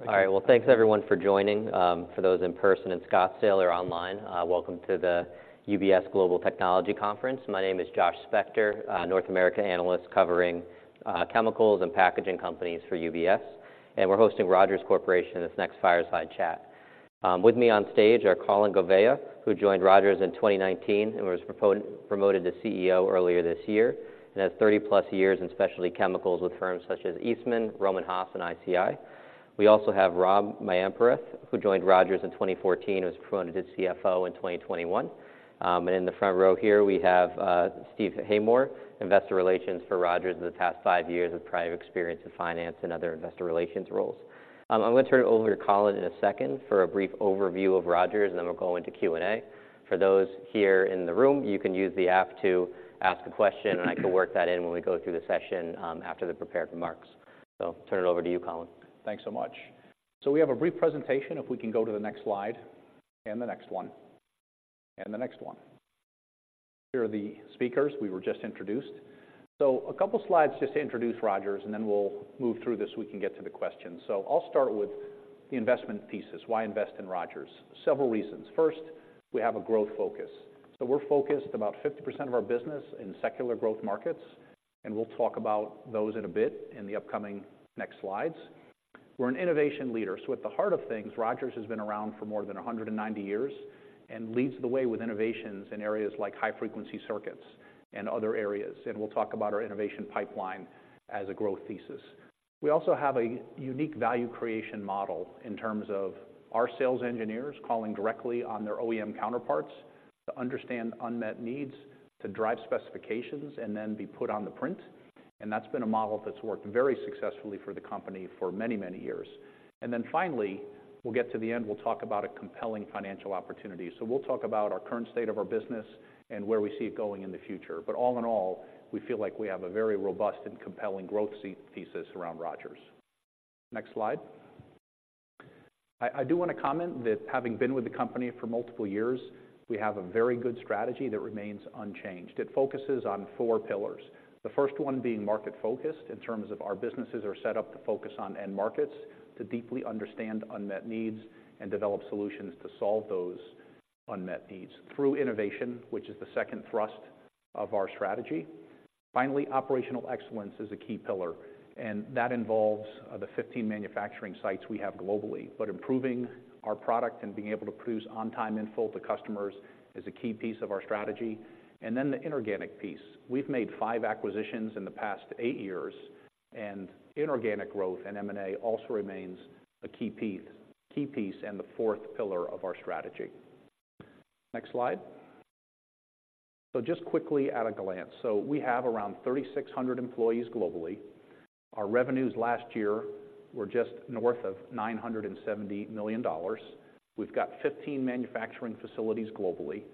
All right. Well, thanks everyone for joining. For those in person in Scottsdale or online, welcome to the UBS Global Technology conference. My name is Josh Spector, North America analyst, covering chemicals and packaging companies for UBS, and we're hosting Rogers Corporation in this next fireside chat. With me on stage are Colin Gouveia, who joined Rogers in 2019 and was promoted to CEO earlier this year and has 30+ years in specialty chemicals with firms such as Eastman, Rohm and Haas, and ICI. We also have Ram Mayampurath, who joined Rogers in 2014 and was promoted to CFO in 2021. And in the front row here, we have Steve Haymore, investor relations for Rogers for the past five years with prior experience in finance and other investor relations roles. I'm going to turn it over to Colin in a second for a brief overview of Rogers, and then we'll go into Q&A. For those here in the room, you can use the app to ask a question, and I can work that in when we go through the session, after the prepared remarks. Turn it over to you, Colin. Thanks so much. So we have a brief presentation. If we can go to the next slide, and the next one, and the next one. Here are the speakers. We were just introduced. So a couple of slides just to introduce Rogers, and then we'll move through this, so we can get to the questions. So I'll start with the investment thesis. Why invest in Rogers? Several reasons. First, we have a growth focus. So we're focused about 50% of our business in secular growth markets, and we'll talk about those in a bit in the upcoming next slides. We're an innovation leader, so at the heart of things, Rogers has been around for more than 190 years and leads the way with innovations in areas like high-frequency circuits and other areas. And we'll talk about our innovation pipeline as a growth thesis. We also have a unique value creation model in terms of our sales engineers calling directly on their OEM counterparts to understand unmet needs, to drive specifications, and then be put on the print. That's been a model that's worked very successfully for the company for many, many years. Then finally, we'll get to the end. We'll talk about a compelling financial opportunity. We'll talk about our current state of our business and where we see it going in the future. All in all, we feel like we have a very robust and compelling growth thesis around Rogers. Next slide. I, I do want to comment that having been with the company for multiple years, we have a very good strategy that remains unchanged. It focuses on four pillars, the first one being market-focused in terms of our businesses are set up to focus on end markets, to deeply understand unmet needs and develop solutions to solve those unmet needs through innovation, which is the second thrust of our strategy. Finally, operational excellence is a key pillar, and that involves the 15 manufacturing sites we have globally. But improving our product and being able to produce on time, in full to customers is a key piece of our strategy. And then the inorganic piece. We've made five acquisitions in the past eight years, and inorganic growth and M&A also remains a key piece, key piece, and the fourth pillar of our strategy. Next slide. So just quickly at a glance. So we have around 3,600 employees globally. Our revenues last year were just north of $970 million. We've got 15 manufacturing facilities globally,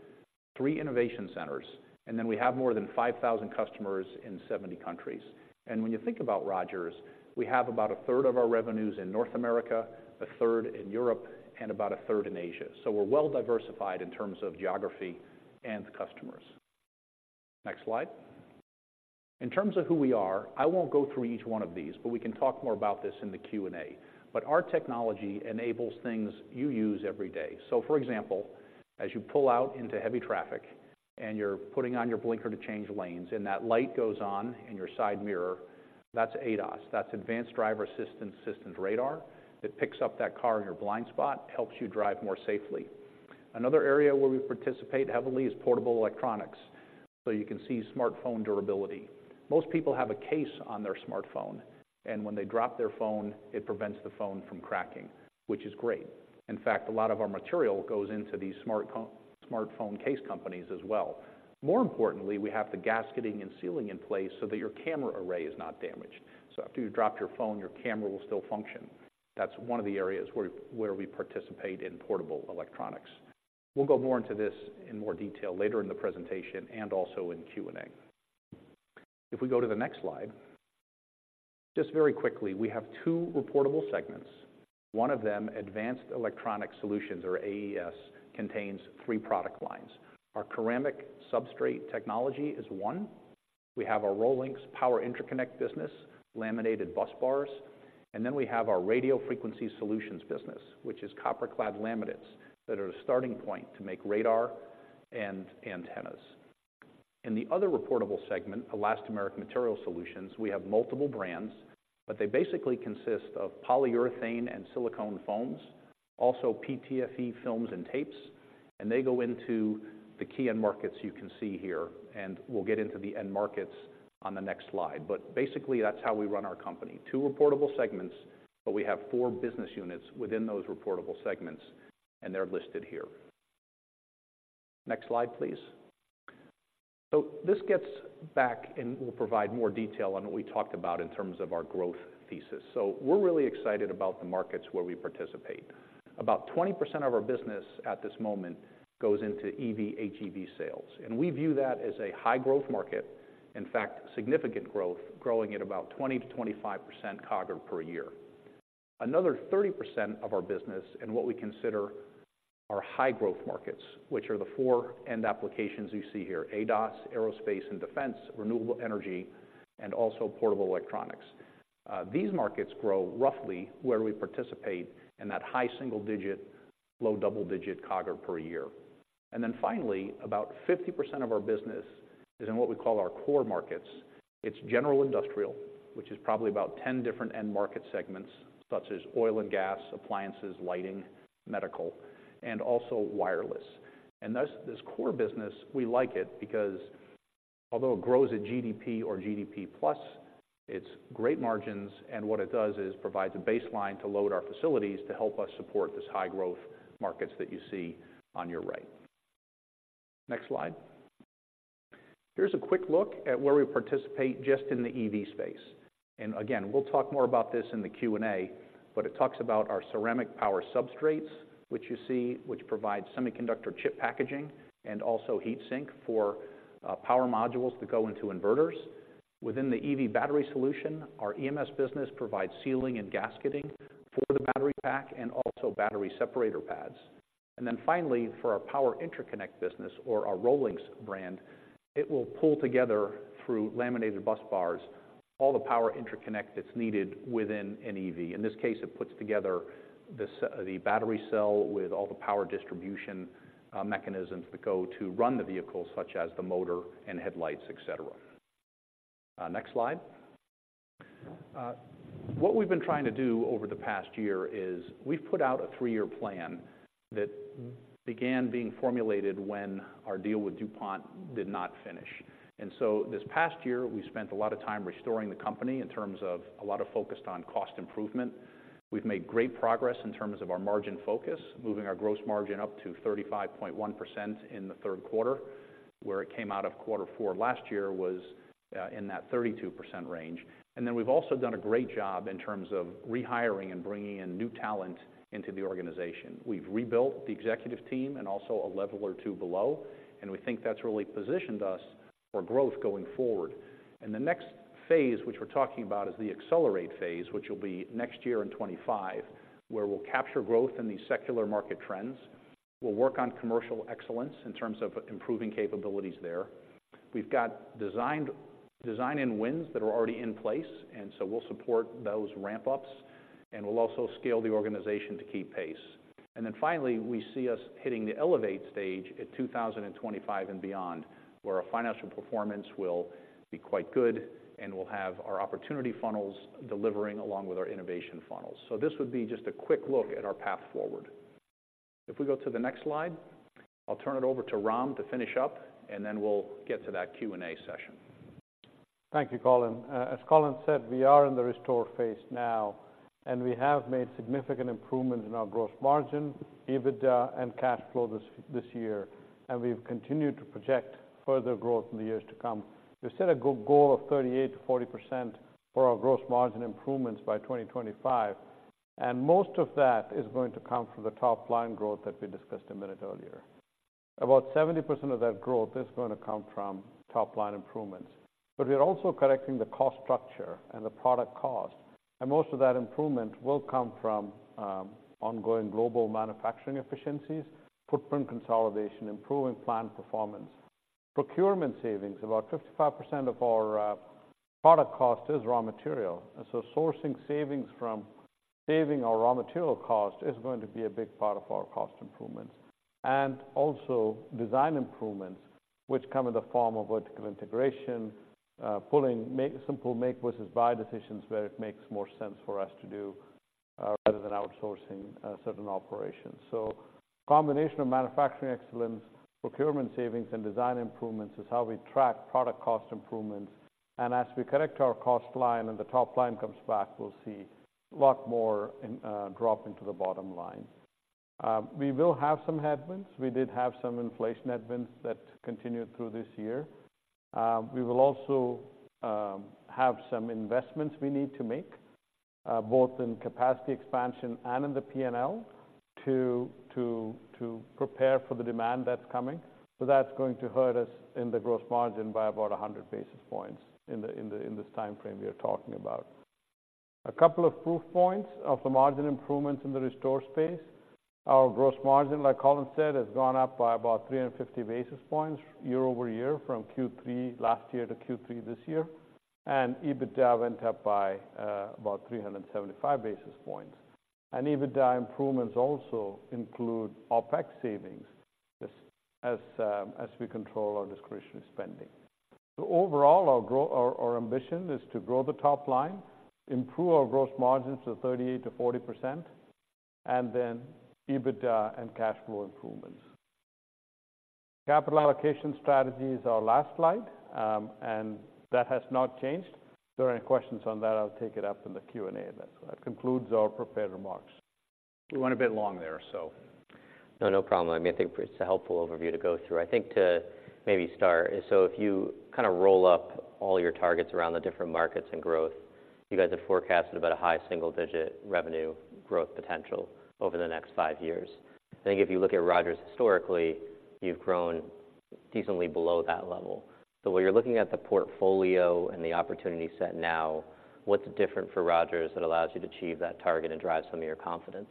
three innovation centers, and then we have more than 5,000 customers in 70 countries. When you think about Rogers, we have about a third of our revenues in North America, a third in Europe, and about a third in Asia. So we're well diversified in terms of geography and customers. Next slide. In terms of who we are, I won't go through each one of these, but we can talk more about this in the Q&A. But our technology enables things you use every day. So for example, as you pull out into heavy traffic and you're putting on your blinker to change lanes, and that light goes on in your side mirror, that's ADAS. That's Advanced Driver Assistance Systems radar that picks up that car in your blind spot, helps you drive more safely. Another area where we participate heavily is portable electronics, so you can see smartphone durability. Most people have a case on their smartphone, and when they drop their phone, it prevents the phone from cracking, which is great. In fact, a lot of our material goes into these smartphone case companies as well. More importantly, we have the gasketing and sealing in place so that your camera array is not damaged. So after you drop your phone, your camera will still function. That's one of the areas where we participate in portable electronics. We'll go more into this in more detail later in the presentation and also in Q&A. If we go to the next slide, just very quickly, we have two reportable segments. One of them, Advanced Electronics Solutions, or AES, contains three product lines. Our ceramic substrate technology is one. We have our ROLINX Power Interconnect business, laminated bus bars, and then we have our radio frequency solutions business, which is copper clad laminates that are the starting point to make radar and antennas. In the other reportable segment, Elastomeric Material Solutions, we have multiple brands, but they basically consist of polyurethane and silicone foams, also PTFE films and tapes, and they go into the key end markets you can see here, and we'll get into the end markets on the next slide. But basically, that's how we run our company. Two reportable segments, but we have four business units within those reportable segments, and they're listed here. Next slide, please. This gets back, and we'll provide more detail on what we talked about in terms of our growth thesis. We're really excited about the markets where we participate. About 20% of our business at this moment goes into EV, HEV sales, and we view that as a high-growth market. In fact, significant growth, growing at about 20%-25% CAGR per year. Another 30% of our business, in what we consider our high growth markets, which are the four end applications you see here: ADAS, aerospace and defense, renewable energy, and also portable electronics. These markets grow roughly where we participate in that high single digit, low double-digit CAGR per year. And then finally, about 50% of our business is in what we call our core markets. It's general industrial, which is probably about 10 different end market segments, such as oil and gas, appliances, lighting, medical, and also wireless. And thus, this core business, we like it, because although it grows at GDP or GDP plus, it's great margins, and what it does is provides a baseline to load our facilities to help us support this high growth markets that you see on your right. Next slide. Here's a quick look at where we participate just in the EV space. And again, we'll talk more about this in the Q&A, but it talks about our ceramic power substrates, which you see, which provide semiconductor chip packaging and also heat sink for power modules that go into inverters. Within the EV battery solution, our EMS business provides sealing and gasketing for the battery pack and also battery separator pads. And then finally, for our power interconnect business or our ROLINX brand, it will pull together, through laminated bus bars, all the power interconnect that's needed within an EV. In this case, it puts together the battery cell with all the power distribution mechanisms that go to run the vehicle, such as the motor and headlights, et cetera. Next slide. What we've been trying to do over the past year is we've put out a three-year plan that began being formulated when our deal with DuPont did not finish. So this past year, we spent a lot of time restoring the company in terms of a lot of focus on cost improvement. We've made great progress in terms of our margin focus, moving our gross margin up to 35.1% in the third quarter, where it came out of quarter four last year was in that 32% range. And then we've also done a great job in terms of rehiring and bringing in new talent into the organization. We've rebuilt the executive team and also a level or two below, and we think that's really positioned us for growth going forward. The next phase, which we're talking about, is the accelerate phase, which will be next year in 2025, where we'll capture growth in these secular market trends. We'll work on commercial excellence in terms of improving capabilities there. We've got design wins that are already in place, and so we'll support those ramp-ups, and we'll also scale the organization to keep pace. Then finally, we see us hitting the elevate stage in 2025 and beyond, where our financial performance will be quite good, and we'll have our opportunity funnels delivering along with our innovation funnels. So this would be just a quick look at our path forward. If we go to the next slide, I'll turn it over to Ram to finish up, and then we'll get to that Q&A session. Thank you, Colin. As Colin said, we are in the restore phase now, and we have made significant improvements in our gross margin, EBITDA, and cash flow this year, and we've continued to project further growth in the years to come. We've set a goal of 38%-40% for our gross margin improvements by 2025, and most of that is going to come from the top line growth that we discussed a minute earlier. About 70% of that growth is going to come from top-line improvements, but we are also correcting the cost structure and the product cost. Most of that improvement will come from ongoing global manufacturing efficiencies, footprint consolidation, improving plant performance, procurement savings. About 55% of our product cost is raw material, and so sourcing savings from saving our raw material cost is going to be a big part of our cost improvements. And also design improvements, which come in the form of vertical integration, simple make versus buy decisions where it makes more sense for us to do rather than outsourcing certain operations. So combination of manufacturing excellence, procurement savings, and design improvements is how we track product cost improvements. And as we correct our cost line and the top line comes back, we'll see a lot more drop into the bottom line. We will have some headwinds. We did have some inflation headwinds that continued through this year. We will also have some investments we need to make both in capacity expansion and in the P&L to prepare for the demand that's coming. So that's going to hurt us in the gross margin by about 100 basis points in this time frame we are talking about. A couple of proof points of the margin improvements in the Rogers space. Our gross margin, like Colin said, has gone up by about 350 basis points YoY, from Q3 last year to Q3 this year, and EBITDA went up by about 375 basis points. EBITDA improvements also include OpEx savings, as we control our discretionary spending. So overall, our ambition is to grow the top line, improve our gross margins to 38%-40%, and then EBITDA and cash flow improvements. Capital allocation strategy is our last slide, and that has not changed. If there are any questions on that, I'll take it up in the Q&A. That concludes our prepared remarks. We went a bit long there, so... No, no problem. I mean, I think it's a helpful overview to go through. I think to maybe start, so if you kind of roll up all your targets around the different markets and growth, you guys have forecasted about a high single digit revenue growth potential over the next five years. I think if you look at Rogers historically, you've grown decently below that level. So when you're looking at the portfolio and the opportunity set now, what's different for Rogers that allows you to achieve that target and drive some of your confidence?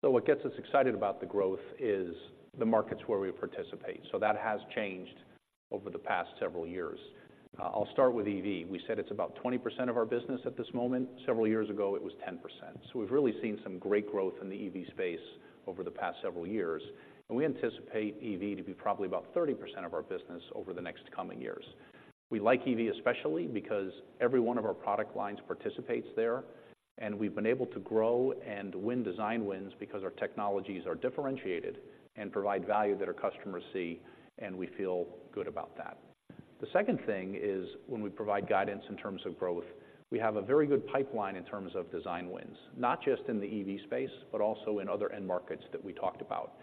So what gets us excited about the growth is the markets where we participate. So that has changed over the past several years. I'll start with EV. We said it's about 20% of our business at this moment. Several years ago, it was 10%. So we've really seen some great growth in the EV space over the past several years, and we anticipate EV to be probably about 30% of our business over the next coming years. We like EV, especially because every one of our product lines participates there, and we've been able to grow and win design wins because our technologies are differentiated and provide value that our customers see, and we feel good about that. The second thing is, when we provide guidance in terms of growth, we have a very good pipeline in terms of design wins, not just in the EV space, but also in other end markets that we talked about.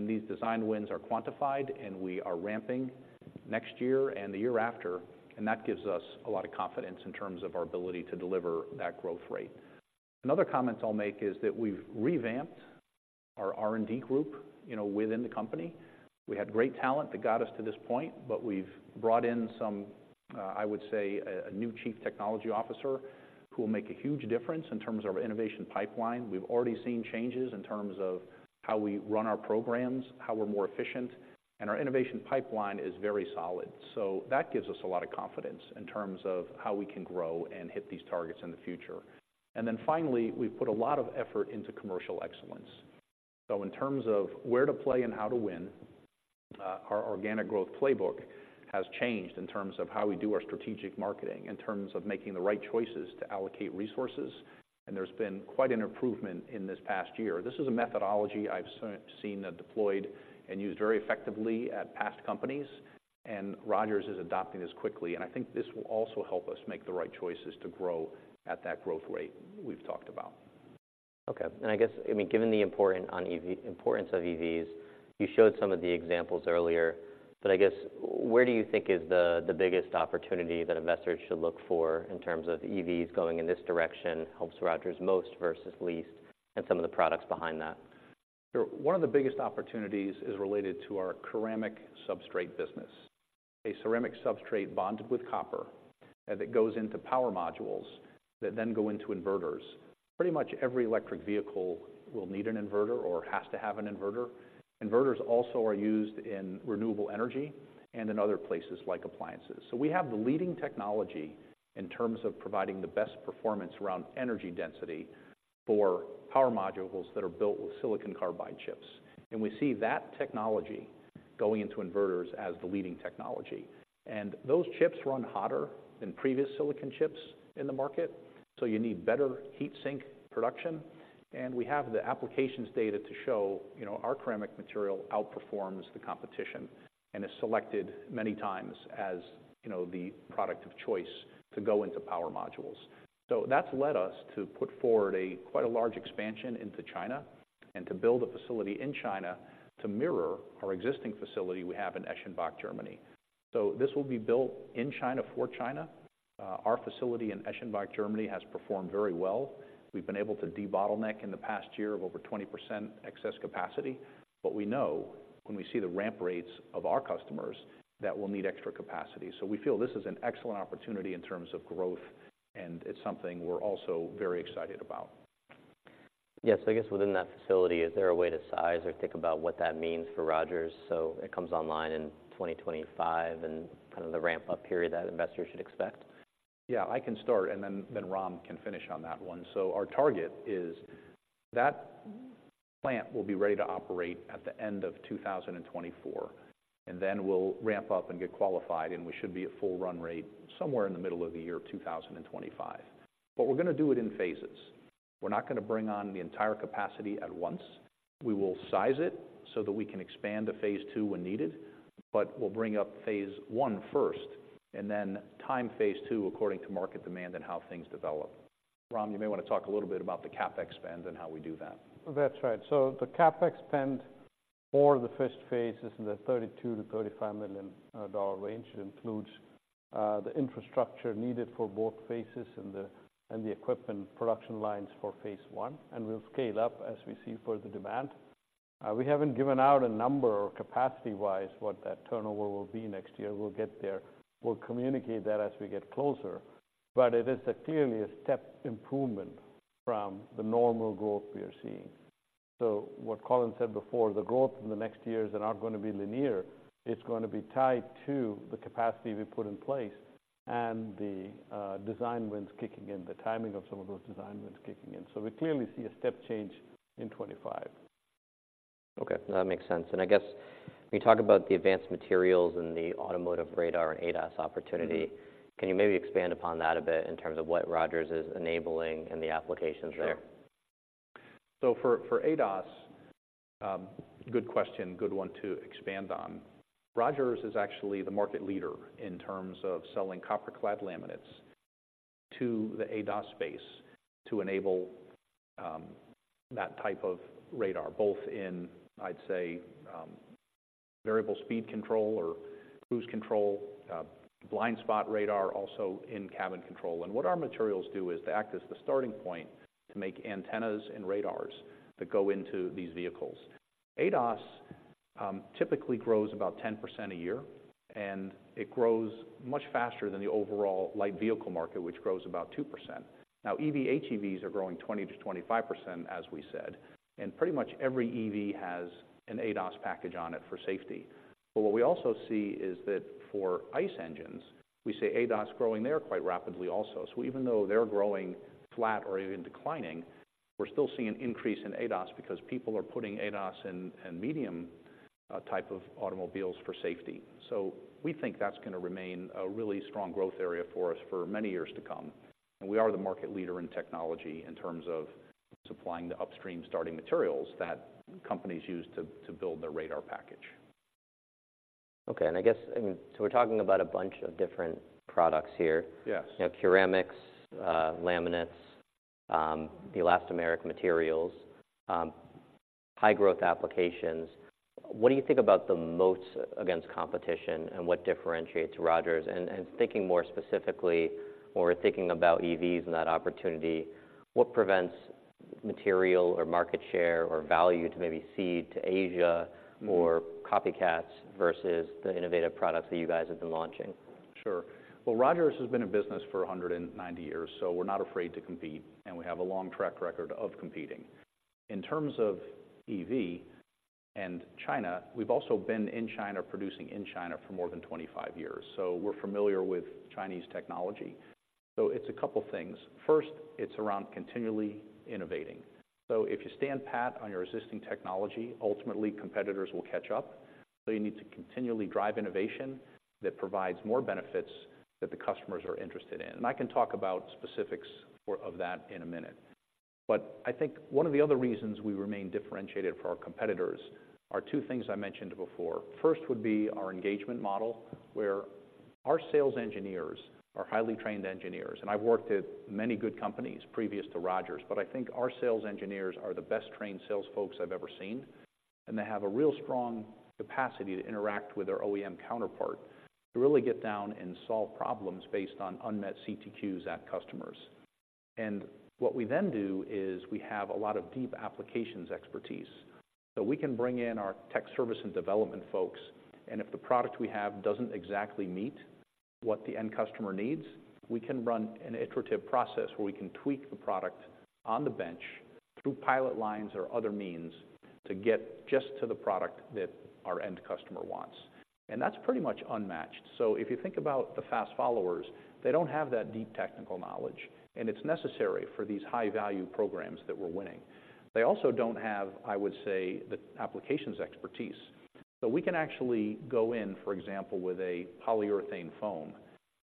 These design wins are quantified, and we are ramping next year and the year after, and that gives us a lot of confidence in terms of our ability to deliver that growth rate. Another comment I'll make is that we've revamped our R&D group, you know, within the company. We had great talent that got us to this point, but we've brought in some, I would say, a new Chief Technology Officer, who will make a huge difference in terms of innovation pipeline. We've already seen changes in terms of how we run our programs, how we're more efficient, and our innovation pipeline is very solid. So that gives us a lot of confidence in terms of how we can grow and hit these targets in the future. And then finally, we've put a lot of effort into commercial excellence. So in terms of where to play and how to win, our organic growth playbook has changed in terms of how we do our strategic marketing, in terms of making the right choices to allocate resources, and there's been quite an improvement in this past year. This is a methodology I've seen and deployed and used very effectively at past companies, and Rogers is adopting this quickly, and I think this will also help us make the right choices to grow at that growth rate we've talked about. Okay. And I guess, I mean, given the importance of EVs, you showed some of the examples earlier, but I guess where do you think is the biggest opportunity that investors should look for in terms of EVs going in this direction, helps Rogers most versus least, and some of the products behind that? Sure. One of the biggest opportunities is related to our ceramic substrate business. A ceramic substrate bonded with copper, and it goes into power modules that then go into inverters. Pretty much every electric vehicle will need an inverter or has to have an inverter. Inverters also are used in renewable energy and in other places, like appliances. We have the leading technology in terms of providing the best performance around energy density for power modules that are built with Silicon Carbide chips. We see that technology going into inverters as the leading technology. Those chips run hotter than previous silicon chips in the market, so you need better heat sink protection. We have the applications data to show, you know, our ceramic material outperforms the competition and is selected many times as, you know, the product of choice to go into power modules. So that's led us to put forward quite a large expansion into China and to build a facility in China to mirror our existing facility we have in Eschenbach, Germany. So this will be built in China for China. Our facility in Eschenbach, Germany, has performed very well. We've been able to debottleneck in the past year of over 20% excess capacity, but we know when we see the ramp rates of our customers, that we'll need extra capacity. So we feel this is an excellent opportunity in terms of growth, and it's something we're also very excited about. Yes, I guess within that facility, is there a way to size or think about what that means for Rogers? So it comes online in 2025, and kind of the ramp-up period that investors should expect. Yeah, I can start, and then Ram can finish on that one. So our target is that plant will be ready to operate at the end of 2024, and then we'll ramp up and get qualified, and we should be at full run rate somewhere in the middle of the year of 2025. But we're gonna do it in phases. We're not gonna bring on the entire capacity at once. We will size it so that we can expand to phase II when needed, but we'll bring up phase I first and then time phase II according to market demand and how things develop. Ram, you may want to talk a little bit about the CapEx spend and how we do that. That's right. So the CapEx spend for the first phase is in the $32 million-$35 million range. It includes the infrastructure needed for both phases and the equipment production lines for phase I, and we'll scale up as we see further demand. We haven't given out a number or capacity-wise, what that turnover will be next year. We'll get there. We'll communicate that as we get closer, but it is clearly a step improvement from the normal growth we are seeing. So what Colin said before, the growth in the next years are not gonna be linear, it's gonna be tied to the capacity we put in place and the design wins kicking in, the timing of some of those design wins kicking in. So we clearly see a step change in 2025. Okay, that makes sense. I guess when you talk about the advanced materials and the automotive radar and ADAS opportunity, can you maybe expand upon that a bit in terms of what Rogers is enabling and the applications there? Sure. So for ADAS, good question, good one to expand on. Rogers is actually the market leader in terms of selling copper clad laminates to the ADAS space to enable that type of radar, both in, I'd say, variable speed control or cruise control, blind spot radar, also in-cabin control. And what our materials do is to act as the starting point to make antennas and radars that go into these vehicles. ADAS typically grows about 10% a year, and it grows much faster than the overall light vehicle market, which grows about 2%. Now, EV HEVs are growing 20%-25%, as we said, and pretty much every EV has an ADAS package on it for safety. But what we also see is that for ICE engines, we see ADAS growing there quite rapidly also. Even though they're growing flat or even declining, we're still seeing an increase in ADAS because people are putting ADAS in medium-type of automobiles for safety. We think that's gonna remain a really strong growth area for us for many years to come. We are the market leader in technology in terms of supplying the upstream starting materials that companies use to build their radar package. Okay. And I guess, I mean, so we're talking about a bunch of different products here. Yes. You know, ceramics, laminates, the elastomeric materials, high growth applications. What do you think about the moats against competition and what differentiates Rogers? And thinking more specifically, or thinking about EVs and that opportunity, what prevents material or market share or value to maybe cede to Asia or copycats versus the innovative products that you guys have been launching? Sure. Well, Rogers has been in business for 190 years, so we're not afraid to compete, and we have a long track record of competing. In terms of EV and China, we've also been in China, producing in China for more than 25 years, so we're familiar with Chinese technology. So it's a couple things. First, it's around continually innovating. So if you stand pat on your existing technology, ultimately competitors will catch up. So you need to continually drive innovation that provides more benefits that the customers are interested in. And I can talk about specifics for... of that in a minute. But I think one of the other reasons we remain differentiated from our competitors are two things I mentioned before. First, would be our engagement model, where our sales engineers are highly trained engineers. I've worked at many good companies previous to Rogers, but I think our sales engineers are the best-trained sales folks I've ever seen, and they have a real strong capacity to interact with their OEM counterpart, to really get down and solve problems based on unmet CTQs at customers. What we then do is we have a lot of deep applications expertise, so we can bring in our tech service and development folks, and if the product we have doesn't exactly meet what the end customer needs, we can run an iterative process where we can tweak the product on the bench through pilot lines or other means, to get just to the product that our end customer wants. That's pretty much unmatched. So if you think about the fast followers, they don't have that deep technical knowledge, and it's necessary for these high-value programs that we're winning. They also don't have, I would say, the applications expertise. So we can actually go in, for example, with a polyurethane foam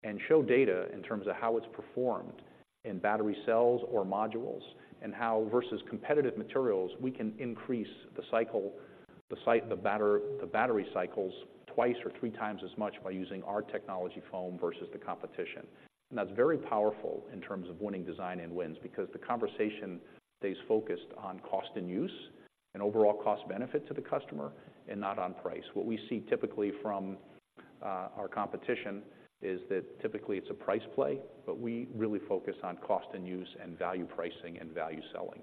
and show data in terms of how it's performed in battery cells or modules, and how, versus competitive materials, we can increase the cycle life, the battery cycles twice or three times as much by using our technology foam versus the competition. And that's very powerful in terms of winning design wins, because the conversation stays focused on cost-in-use and overall cost benefit to the customer, and not on price. What we see typically from our competition is that typically it's a price play, but we really focus on cost-in-use, and value pricing and value selling.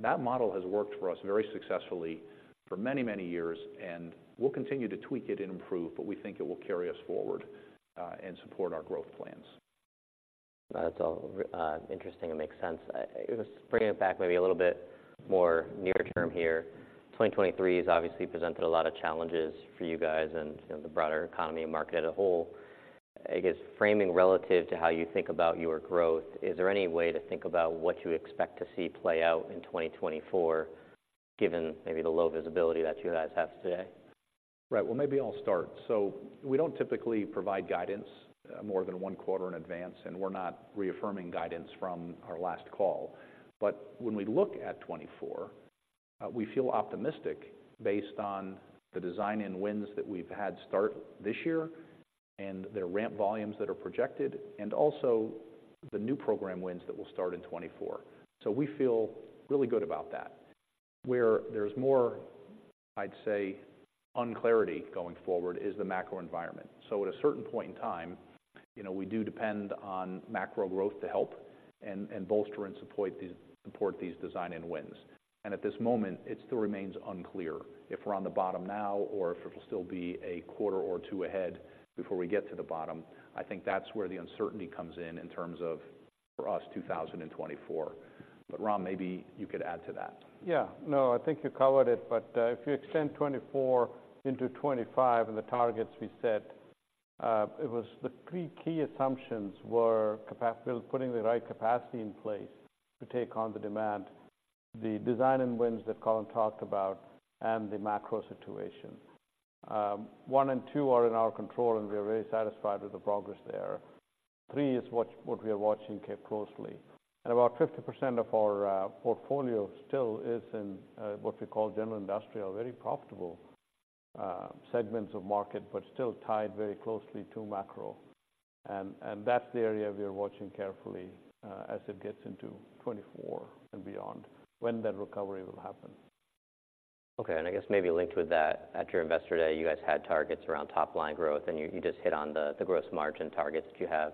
That model has worked for us very successfully for many, many years, and we'll continue to tweak it and improve, but we think it will carry us forward and support our growth plans. That's all, interesting and makes sense. Just bringing it back maybe a little bit more nearer term here. 2023 has obviously presented a lot of challenges for you guys and, you know, the broader economy and market as a whole. I guess, framing relative to how you think about your growth, is there any way to think about what you expect to see play out in 2024, given maybe the low visibility that you guys have today? Right. Well, maybe I'll start. So we don't typically provide guidance more than one quarter in advance, and we're not reaffirming guidance from our last call. But when we look at 2024, we feel optimistic based on the design wins that we've had start this year, and their ramp volumes that are projected, and also the new program wins that will start in 2024. So we feel really good about that. Where there's more, I'd say, unclarity going forward is the macro environment. So at a certain point in time, you know, we do depend on macro growth to help and, and bolster and support these, support these design wins. And at this moment, it still remains unclear if we're on the bottom now or if it'll still be a quarter or two ahead before we get to the bottom. I think that's where the uncertainty comes in, in terms of, for us, 2024. But Ram, maybe you could add to that. Yeah. No, I think you covered it. But if you extend 2024 into 2025 and the targets we set, it was the three key assumptions were putting the right capacity in place to take on the demand, the design wins that Colin talked about, and the macro situation. One and two are in our control, and we are very satisfied with the progress there. Three is what we are watching closely. And about 50% of our portfolio still is in what we call general industrial, very profitable segments of market, but still tied very closely to macro. And that's the area we are watching carefully as it gets into 2024 and beyond, when that recovery will happen. Okay, and I guess maybe linked with that, at your Investor Day, you guys had targets around top line growth, and you just hit on the gross margin targets that you have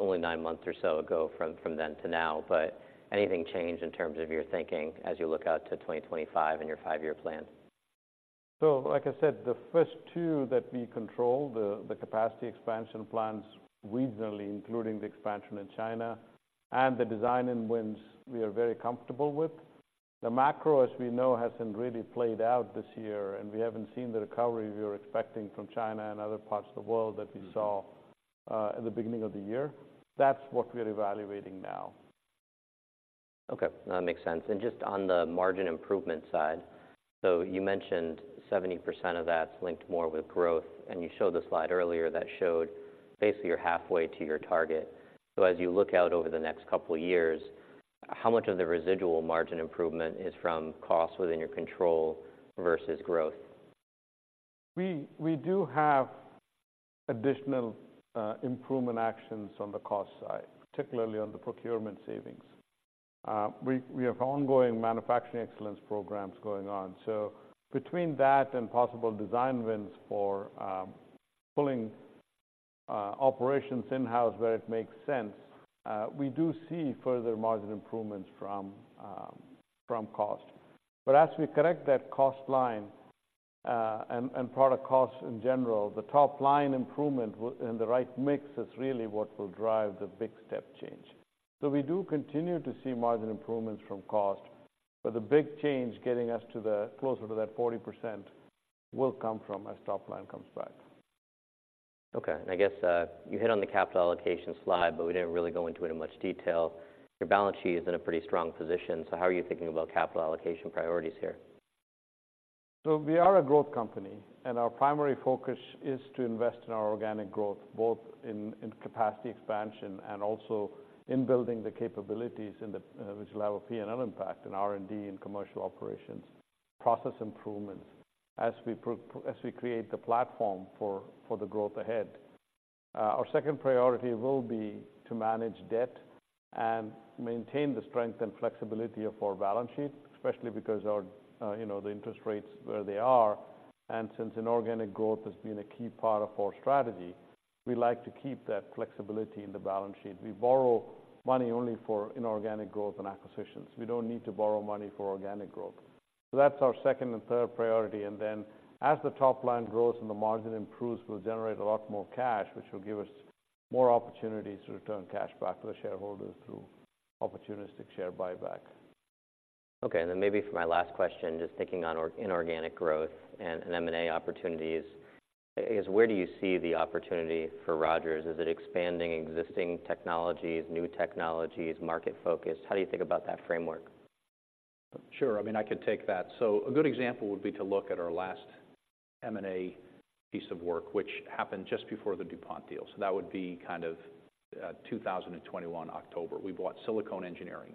only nine months or so ago from then to now. But anything change in terms of your thinking as you look out to 2025 and your five-year plan? So, like I said, the first two that we control, the, the capacity expansion plans regionally, including the expansion in China and the design wins, we are very comfortable with. The macro, as we know, hasn't really played out this year, and we haven't seen the recovery we were expecting from China and other parts of the world that we saw at the beginning of the year. That's what we're evaluating now. Okay, that makes sense. And just on the margin improvement side, so you mentioned 70% of that's linked more with growth, and you showed the slide earlier that showed basically you're halfway to your target. So as you look out over the next couple of years, how much of the residual margin improvement is from costs within your control versus growth? We do have additional improvement actions on the cost side, particularly on the procurement savings. We have ongoing manufacturing excellence programs going on. So between that and possible design wins for pulling operations in-house where it makes sense, we do see further margin improvements from cost. But as we correct that cost line and product costs in general, the top line improvement will... And the right mix is really what will drive the big step change. So we do continue to see margin improvements from cost, but the big change getting us closer to that 40% will come from as top line comes back. Okay. I guess, you hit on the capital allocation slide, but we didn't really go into it in much detail. Your balance sheet is in a pretty strong position, so how are you thinking about capital allocation priorities here? So we are a growth company, and our primary focus is to invest in our organic growth, both in capacity expansion and also in building the capabilities which will have a P&L impact in R&D and commercial operations, process improvement, as we create the platform for the growth ahead. Our second priority will be to manage debt and maintain the strength and flexibility of our balance sheet, especially because, you know, the interest rates where they are. And since inorganic growth has been a key part of our strategy, we like to keep that flexibility in the balance sheet. We borrow money only for inorganic growth and acquisitions. We don't need to borrow money for organic growth. So that's our second and third priority. And then as the top line grows and the margin improves, we'll generate a lot more cash, which will give us more opportunities to return cash back to the shareholders through opportunistic share buyback. Okay, and then maybe for my last question, just picking on inorganic growth and M&A opportunities, is where do you see the opportunity for Rogers? Is it expanding existing technologies, new technologies, market focus? How do you think about that framework? Sure. I mean, I could take that. So a good example would be to look at our last M&A piece of work, which happened just before the DuPont deal. So that would be kind of, 2021, October. We bought Silicone Engineering.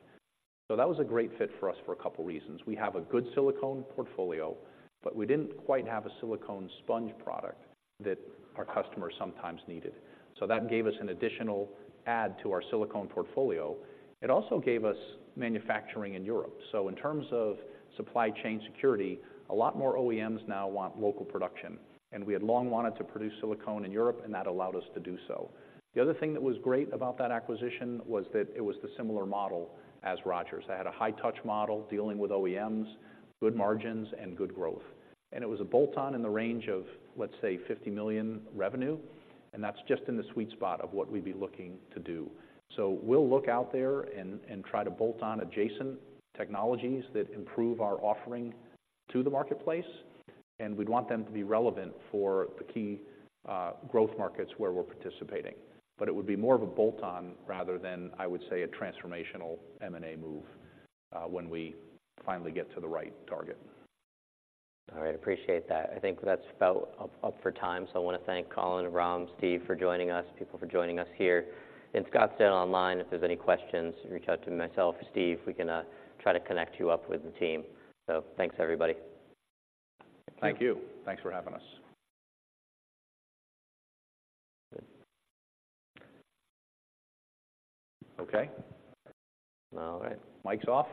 So that was a great fit for us for a couple reasons. We have a good silicone portfolio, but we didn't quite have a silicone sponge product that our customers sometimes needed. So that gave us an additional add to our silicone portfolio. It also gave us manufacturing in Europe. So in terms of supply chain security, a lot more OEMs now want local production, and we had long wanted to produce silicone in Europe, and that allowed us to do so. The other thing that was great about that acquisition was that it was the similar model as Rogers. They had a high touch model dealing with OEMs, good margins, and good growth. It was a bolt-on in the range of, let's say, $50 million revenue, and that's just in the sweet spot of what we'd be looking to do. We'll look out there and try to bolt on adjacent technologies that improve our offering to the marketplace, and we'd want them to be relevant for the key growth markets where we're participating. It would be more of a bolt on rather than, I would say, a transformational M&A move, when we finally get to the right target. All right. Appreciate that. I think that's about up for time. So I want to thank Colin, Ram, Steve, for joining us, people for joining us here in Scottsdale online. If there's any questions, reach out to myself, Steve. We can try to connect you up with the team. So thanks, everybody. Thank you. Thanks for having us. Okay. All right. Mic's off?